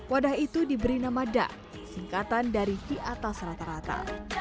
wadah itu diberi nama da singkatan dari di atas rata rata